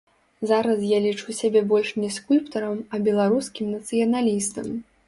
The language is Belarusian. Зараз я лічу сябе больш не скульптарам, а беларускім нацыяналістам.